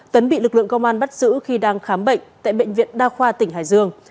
tấn bị lực lượng công an bắt giữ khi đang khám bệnh tại bệnh viện đa khoa tỉnh hải dương